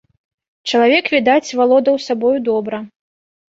Чалавек, відаць, валодаў сабою добра.